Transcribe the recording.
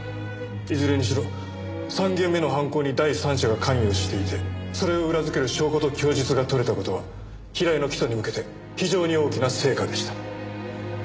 いずれにしろ３件目の犯行に第三者が関与していてそれを裏付ける証拠と供述が取れた事は平井の起訴に向けて非常に大きな成果でした。